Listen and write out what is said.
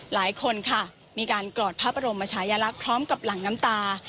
หลายคนค่ะมีการกรอบพระบรมศพพร้อมกับหลังน้ำตา